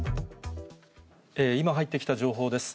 今、入ってきた情報です。